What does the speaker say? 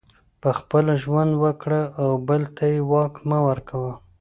پخپله ژوند وکړه او بل ته یې واک مه ورکوه